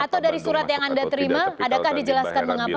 atau dari surat yang anda terima adakah dijelaskan mengapa